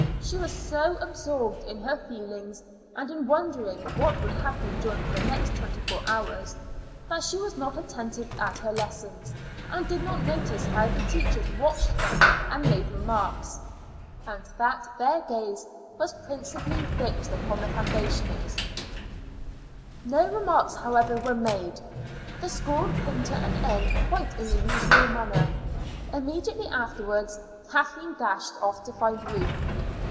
She was so absorbed in her feelings, and in wondering what would happen during the next twenty four hours, that she was not attentive at her lessons, and did not notice how the teachers watched her and made remarks. It was very evident to an onlooker that the teachers were particularly alert that morning, and that their gaze was principally fixed upon the foundationers. No remarks, however, were made. The school came to an end quite in the usual manner. Immediately afterwards Kathleen dashed off to find Ruth.